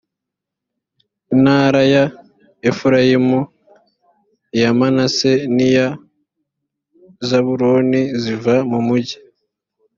intara ya efurayimu iya manase n iya zabuloni ziva mu mugi